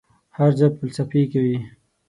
هر ځای فلسفې کوي.